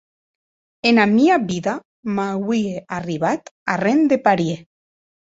Ena mia vida m’auie arribat arren de parièr.